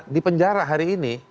di penjara hari ini